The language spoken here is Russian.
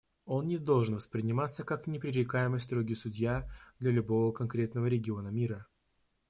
Он не должен восприниматься как непререкаемый строгий судья для любого конкретного региона мира.